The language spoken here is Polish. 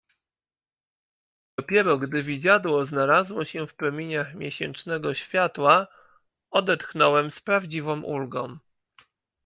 "Dopiero, gdy widziadło znalazło się w promieniach miesięcznego światła, odetchnąłem z prawdziwą ulgą."